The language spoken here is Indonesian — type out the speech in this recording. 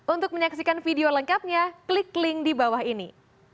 untuk menyaksikan video lengkapnya klik link di bawah ini